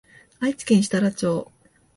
愛知県設楽町